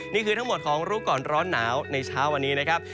นี่คือทั้งหมดของรู้ก่อนร้อนหนาวในเช้าวันนี้นะครับ